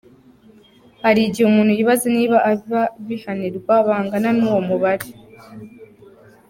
Hari igihe umuntu yibaza niba ababihanirwa bangana n’uwo mubare.